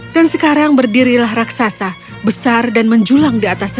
dan sekarang berdirilah raksasa besar dan menjulang di atas riol